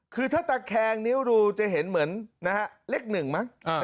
คือถ้าตั้งแข่งนิ้วดูจะเห็นเหมือนเลขหนึ่งมั้ง